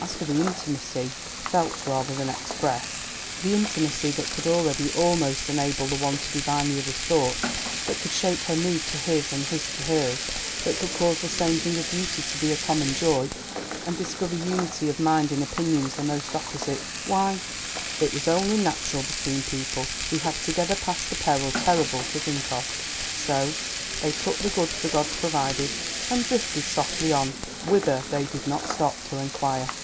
As for the intimacy—felt rather than expressed—the intimacy that could already almost enable the one to divine the other's thought, that could shape her mood to his and his to hers, that could cause the same thing of beauty to be a common joy, and discover unity of mind in opinions the most opposite—why, it was only natural between people who had together passed a peril terrible to think of. So they took the goods the gods provided, and drifted softly on—whither they did not stop to inquire.